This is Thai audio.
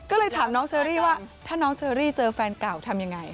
ก็เลยถามน้องเชอรี่ว่าถ้าน้องเชอรี่เจอแฟนเก่าทำยังไง